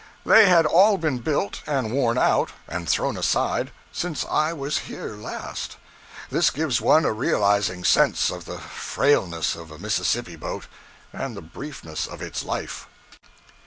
They had all been built, and worn out, and thrown aside, since I was here last. This gives one a realizing sense of the frailness of a Mississippi boat and the briefness of its life.